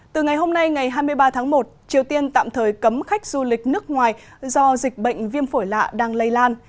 từ ngày hôm nay ngày hai mươi ba tháng một triều tiên tạm thời cấm khách du lịch nước ngoài do dịch bệnh viêm phổi lạ đang lây lan